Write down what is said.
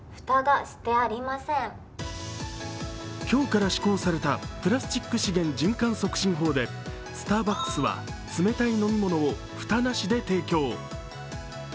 今日から施行されたプラスチック資源循環促進法でスターバックスは冷たい飲み物を蓋なしで提供。